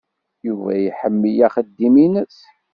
Yuba iḥemmel axeddim-nnes.